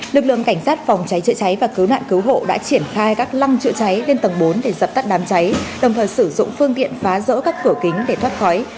lực lượng cảnh sát phòng cháy chữa cháy và cứu nạn cứu hộ đã triển khai các lăng chữa cháy lên tầng bốn để dập tắt đám cháy đồng thời sử dụng phương tiện phá rỡ các cửa kính để thoát khói